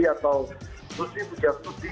atau rusi buja sudi